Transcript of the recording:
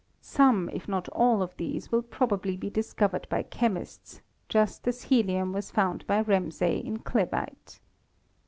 Some if not all of these will probably be discovered by chemists, just as helium was found by Ramsay in clevite.